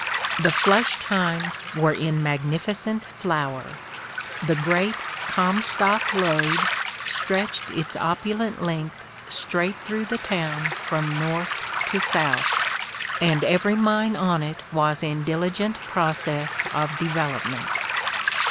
The 'flush times' were in mag nificent flower !... The great ' Comstock lode' stretched its opulent length straight through the town from North to South, and every mine on it was in diligent process of development."